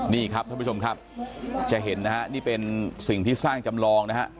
นี่ครับท่านผู้ชมครับจะเห็นนะฮะนี่เป็นสิ่งที่สร้างจำลองนะฮะ